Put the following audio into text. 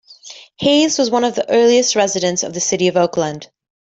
Hays was one of the earliest residents of the city of Oakland.